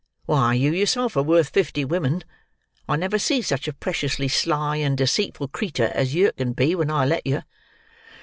Why, you yourself are worth fifty women; I never see such a precious sly and deceitful creetur as yer can be when I let yer."